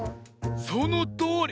そのとおり！